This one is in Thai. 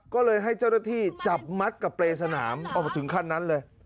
ก็เลยให้เจ้าหน้าที่จับมัดกับเปรย์สนามออกมาถึงขั้นนั้นเลย